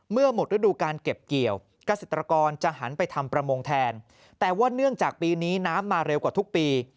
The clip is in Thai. เมื่อหมดฤดูการเก็บเกี่ยวเกษตรกรจะหันไปทำประมงแทนแต่ว่าเนื่องจากปีนี้น้ำมาเร็วกว่าทุกปี